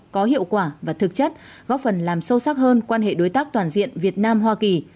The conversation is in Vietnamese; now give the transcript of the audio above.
có hiệu quả và thực chất góp phần làm sâu sắc hơn quan hệ đối tác toàn diện việt nam hoa kỳ